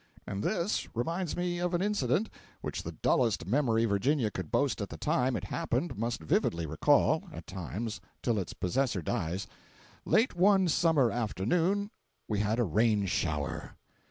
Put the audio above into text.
And this reminds me of an incident which the dullest memory Virginia could boast at the time it happened must vividly recall, at times, till its possessor dies. Late one summer afternoon we had a rain shower.